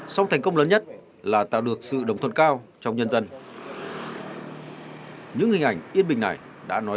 sông thành công lớn nhất là tạo được sự đồng thuận cao trong nhân dân